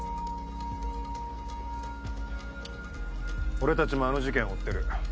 俺たちもあの事件を追ってる。